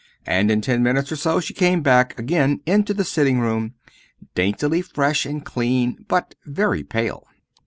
And in ten minutes or so she came back again into the sitting room, daintily fresh and clean but very pale.